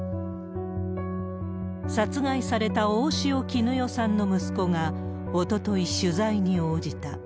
殺害された大塩衣与さんの息子が、おととい取材に応じた。